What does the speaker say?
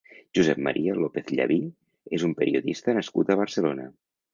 Josep Maria López Llaví és un periodista nascut a Barcelona.